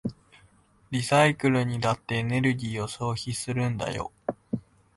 リサイクルにだってエネルギーを消費するんだよ。